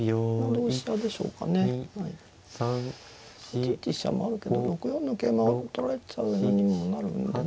８一飛車もあるけど６四桂馬を取られちゃう順にもなるんでね。